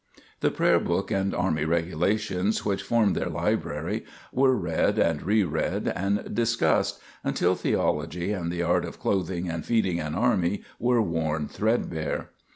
The prayer book and Army Regulations, which formed their library, were read and re read, and discussed until theology and the art of clothing and feeding an army were worn threadbare.